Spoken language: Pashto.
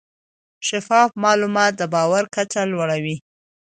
شفاف معلومات د باور کچه لوړه وي.